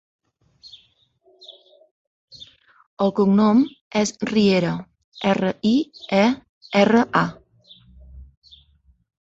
El cognom és Riera: erra, i, e, erra, a.